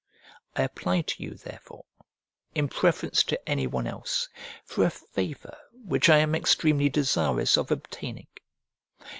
I apply to you, therefore, in preference to anyone else, for a favour which I am extremely desirous of obtaining.